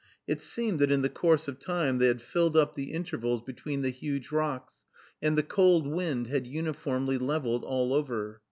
It seemed that in the course of time they had filled up the intervals between the huge rocks, and the cold wind had uniformly leveled all over.